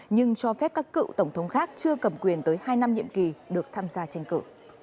nhưng cho phép các cựu tổng thống khác chưa cầm quyền tới hai năm nhiệm kỳ được tham gia tranh cử